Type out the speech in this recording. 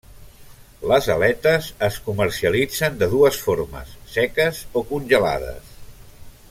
Les aletes es comercialitzen de dues formes: seques o congelades.